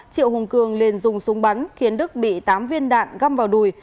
triệu hùng cường liền dùng súng bắn khiến đức bị tám viên đạn găm vào đùi